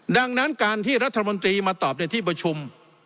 ดังนั้นการที่รัฐมนตรีมาตอบในที่ประชุม